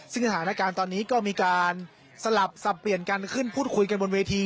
ซึ่งสถานการณ์ตอนนี้ก็มีการสลับสับเปลี่ยนกันขึ้นพูดคุยกันบนเวที